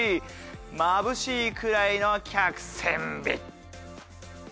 まぶしいくらいの脚線美。